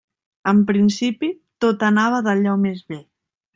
En principi tot anava d'allò més bé.